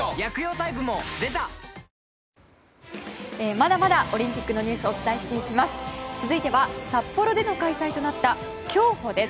まだまだオリンピックのニュースをお伝えしていきます。